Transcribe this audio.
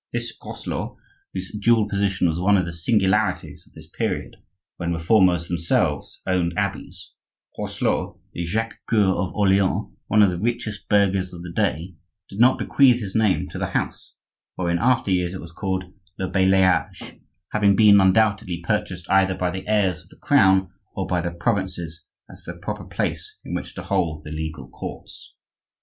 This Groslot, whose dual position was one of the singularities of this period—when Reformers themselves owned abbeys—Groslot, the Jacques Coeur of Orleans, one of the richest burghers of the day, did not bequeath his name to the house, for in after years it was called Le Bailliage, having been, undoubtedly, purchased either by the heirs of the Crown or by the provinces as the proper place in which to hold the legal courts.